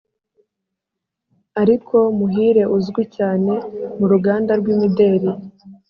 Ariko muhire uzwi cyane mu ruganda rw’imideli